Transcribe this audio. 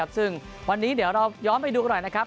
ซึ่งวันนี้เดี๋ยวเราย้อนไปดูกันหน่อยนะครับ